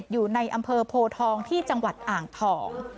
อยู่ในอำเภอโพทองที่จังหวัดอ่างทอง